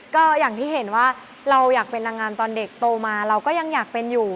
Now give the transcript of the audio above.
ก็อย่างที่เห็นว่าเราอยากเป็นนางงามตอนเด็กโตมาเราก็ยังอยากเป็นอยู่